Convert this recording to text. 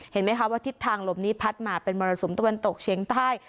เห็นไหมคะว่าทิศทางลมนี้พัดมาเป็นมรสุมตะวันตกเชียงใต้